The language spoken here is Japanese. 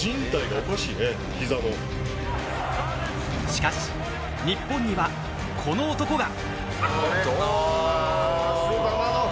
しかし日本にはこの男が。